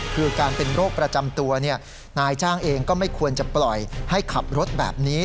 คือการเป็นโรคประจำตัวนายจ้างเองก็ไม่ควรจะปล่อยให้ขับรถแบบนี้